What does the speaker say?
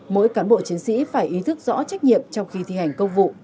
mỗi cán bộ chiến sĩ phải ý thức rõ trách nhiệm trong khi thi hành công vụ